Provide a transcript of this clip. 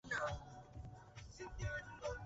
Fue un compositor muy prolífico.